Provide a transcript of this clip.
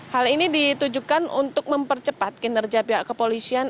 hal ini ditujukan untuk mempercepat kinerja pihak kepolisian